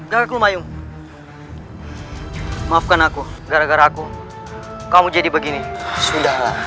garaku mayung maafkan aku gara gara aku kamu jadi begini sudah